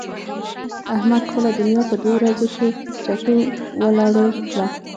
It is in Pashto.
احمد خپله دونيا په دوو ورځو کې چټو و لړو کړه.